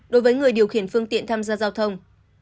đối với người điều khiển phương tiện tham gia giao thông